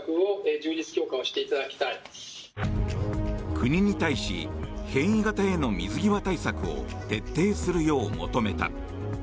国に対し変異型への水際対策を徹底するよう求めた。